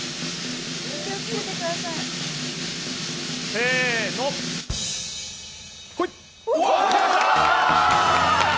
せーの、ほい。